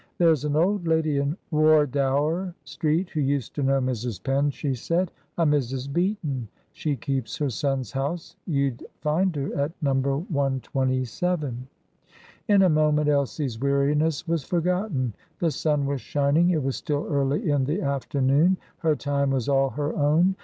"There's an old lady in Wardour Street who used to know Mrs. Penn," she said; "a Mrs. Beaton. She keeps her son's house. You'd find her at No. 127." In a moment Elsie's weariness was forgotten. The sun was shining; it was still early in the afternoon; her time was all her own.